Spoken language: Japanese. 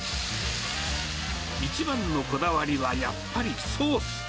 一番のこだわりは、やっぱりソース。